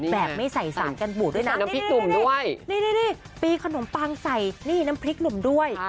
แบบไม่ใส่สารกันบูดด้วยนะนี่ปีขนมปังใส่นี่น้ำพริกหนุ่มด้วย